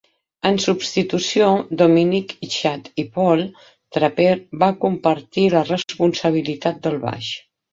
En substitució, Dominic Chad i Paul Draper van compartir la responsabilitat del baix.